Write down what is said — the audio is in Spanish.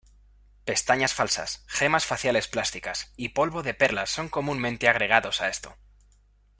Pestañas falsas, gemas faciales plásticas, y polvo de perlas son comúnmente agregados a esto.